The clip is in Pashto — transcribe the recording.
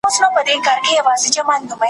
په لوی ښار کي یوه لویه وداني وه !.